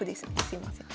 すいません。